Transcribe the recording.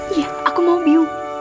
iya aku mau biu